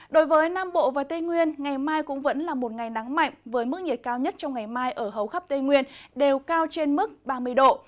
đối với nam bộ và tây nguyên ngày mai cũng vẫn là một ngày nắng mạnh với mức nhiệt cao nhất trong ngày mai ở hầu khắp tây nguyên đều cao trên mức ba mươi độ